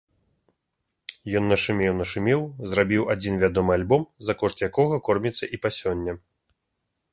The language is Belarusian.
Ён нашумеў-нашумеў, зрабіў адзін вядомы альбом, за кошт якога корміцца і па сёння.